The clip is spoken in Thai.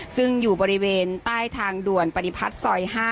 ซึ่งอยู่บริเวณใต้ทางด่วนปฏิพัฒน์ซอย๕